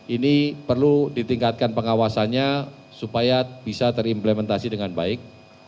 ini perlu ditingkatkan pengawasannya supaya bisa terimplementasi dengan baik